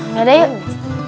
ya udah yuk